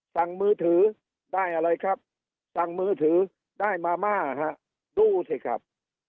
สั่งมือถือได้อะไรครับ